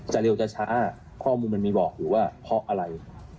เร็วจะช้าข้อมูลมันมีบอกอยู่ว่าเพราะอะไร